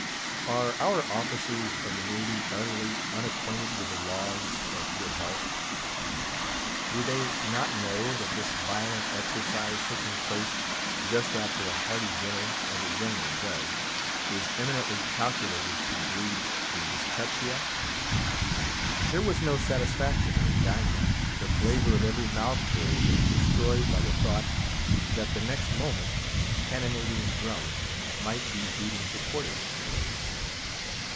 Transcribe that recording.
Are our officers of the Navy utterly unacquainted with the laws of good health? Do they not know that this violent exercise, taking place just after a hearty dinner, as it generally does, is eminently calculated to breed the dyspepsia? There was no satisfaction in dining; the flavour of every mouthful was destroyed by the thought that the next moment the cannonading drum might be beating to quarters.